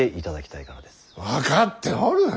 分かっておる。